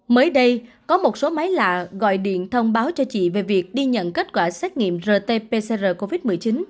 mới đây có một số máy lạ gọi điện thông báo cho chị về việc đi nhận kết quả xét nghiệm rt pcr covid một mươi chín